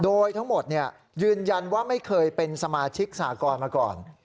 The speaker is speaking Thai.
โดยทั้งหมดยืนยันว่าไม่เคยเป็นสมาชิกสากรมาก่อน